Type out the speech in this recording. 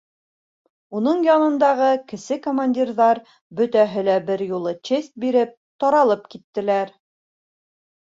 — Уның янындағы кесе командирҙар, бөтәһе бер юлы честь биреп, таралып киттеләр.